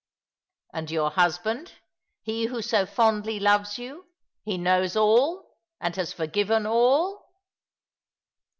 "And your husband — he who so fondly loves you — he knows ail, and has forgiven all